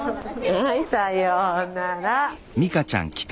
はいさようなら。